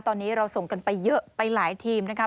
ตอนนี้เราส่งกันไปเยอะไปหลายทีมนะครับ